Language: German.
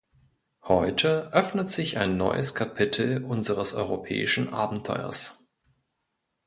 Heute öffnet sich ein neues Kapitel unseres europäischen Abenteuers.